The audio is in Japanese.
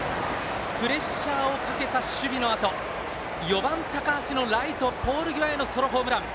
プレッシャーをかけた守備のあと４番、高橋のライトポール際へのソロホームラン。